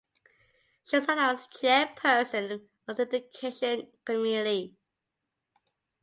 She served as chairperson of the education committee.